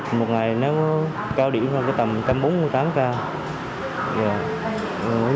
chúng em phải đi giống dịch một ngày nếu có cao điểm tầm một trăm bốn mươi tám ca